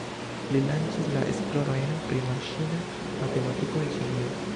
Li lanĉis la esplorojn pri maŝina matematiko en Ĉinio.